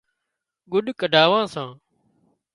ڳُڏ ڪڍاوان سان